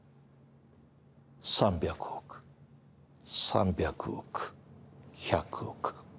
３００億、３００億、１００億。